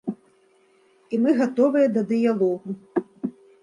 І мы гатовыя да дыялогу.